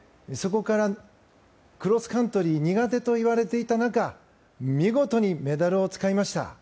そこからクロスカントリー苦手といわれていた中見事にメダルをつかみました。